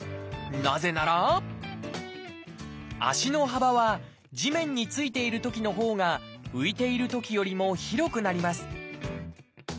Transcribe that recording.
なぜなら足の幅は地面に着いているときのほうが浮いているときよりも広くなります